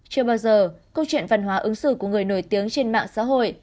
chưa bao giờ câu chuyện văn hóa ứng xử của người nổi tiếng trên mạng xã hội